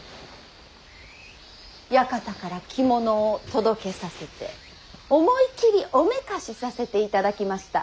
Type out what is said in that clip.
館から着物を届けさせて思い切りおめかしさせていただきました。